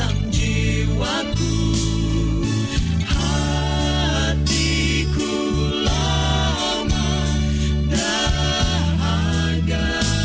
airku lama dah agak